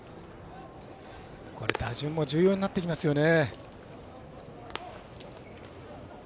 打順も重要になってきますよね。